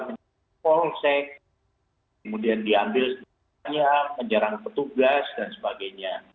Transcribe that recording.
kemudian diambil menjarang petugas dan sebagainya